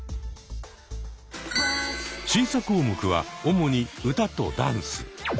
審査項目は主に歌とダンス。